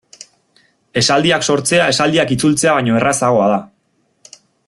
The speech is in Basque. Esaldiak sortzea esaldiak itzultzea baino errazagoa da.